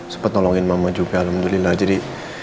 sempat nolongin mama juga alhamdulillah jadi